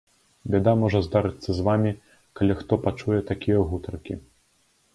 Бяда можа здарыцца з вамі, калі хто пачуе такія гутаркі.